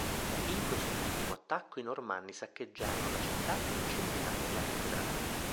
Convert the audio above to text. In quest'ultimo attacco i Normanni saccheggiarono la città e incendiarono la cattedrale.